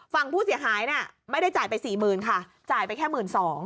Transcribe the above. ฝั่งผู้เสียหายเนี่ยไม่ได้จ่ายไปสี่หมื่นค่ะจ่ายไปแค่๑๒๐๐